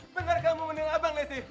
bener kamu menang abang nessie